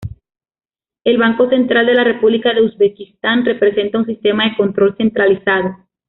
El Banco Central de la República de Uzbekistán representa un sistema de control centralizado.